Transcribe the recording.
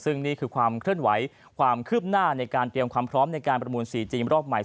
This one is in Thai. ซึ่งนี่คือความเคลื่อนไหวความคืบหน้าในการเตรียมความพร้อมในการประมูล๔ทีมรอบใหม่